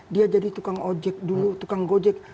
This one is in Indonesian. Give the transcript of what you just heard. dia jadi tukang ojek dulu tukang gojek